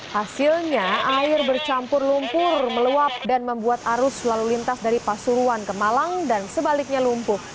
hasilnya air bercampur lumpur meluap dan membuat arus lalu lintas dari pasuruan ke malang dan sebaliknya lumpuh